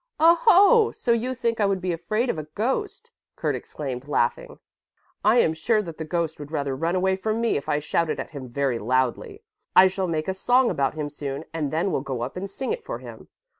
"Oho! so you think I would be afraid of a ghost," Kurt exclaimed laughing. "I am sure that the ghost would rather run away from me if I shouted at him very loudly. I shall make a song about him soon and then we'll go up and sing it for him.